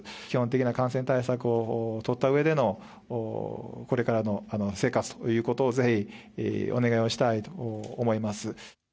基本的な感染対策を取ったうえでの、これからの生活ということをぜひ、お願いをしたいと思います。